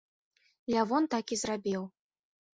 Лявон так і зрабіў.